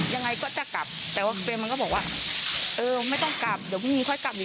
ยังไงก็จะกลับแต่ว่าเฟรมมันก็บอกว่าเออไม่ต้องกลับเดี๋ยวพรุ่งนี้ค่อยกลับอีก